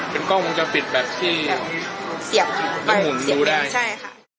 เป็นกล้องมันจะปิดแบบที่มุมดูได้